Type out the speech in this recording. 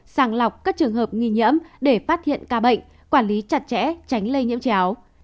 sàng lọc các trường hợp nghi nhiễm để phát hiện ca bệnh quản lý chặt chẽ tránh lây nhiễm chéo